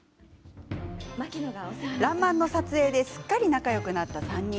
「らんまん」の撮影ですっかり仲よくなった３人。